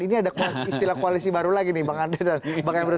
ini ada istilah koalisi baru lagi nih bang andre dan bang emrus